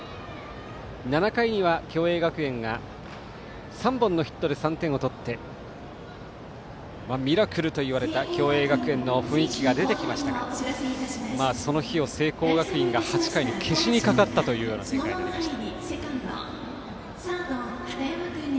７回には共栄学園が３本のヒットで３点を取ってミラクルといわれた共栄学園の雰囲気が出てきましたがその火を聖光学院が８回に消しにかかったという展開になりました。